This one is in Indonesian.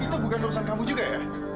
itu bukan urusan kamu juga ya